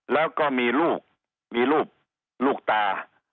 แล้วก็มีลูกมีลูกลูกตา